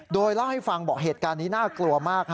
โดยเล่าให้ฟังบอกเหตุการณ์นี้น่ากลัวมาก